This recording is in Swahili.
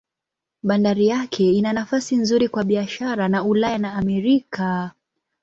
Bandari yake ina nafasi nzuri kwa biashara na Ulaya na Amerika.